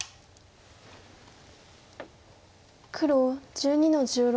黒１２の十六。